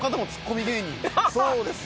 そうですよ。